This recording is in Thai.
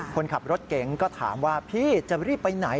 คนขับรถเก๋งก็ถามว่าพี่จะรีบไปไหน